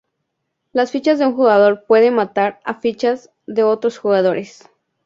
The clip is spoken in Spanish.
Las fichas de un jugador puede matar a fichas de otros jugadores.